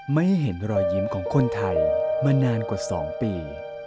ไม่เห็นรอยยิ้มของคนไทยมานานกว่า๒ปี